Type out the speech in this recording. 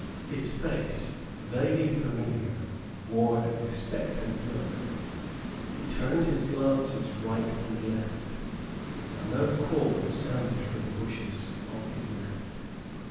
His face, vaguely familiar, wore an expectant look. He turned his glances right and left. A low call sounded from the bushes on his left.